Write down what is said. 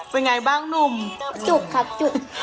เป็นไงบ้างหนุ่มจุกครับจุก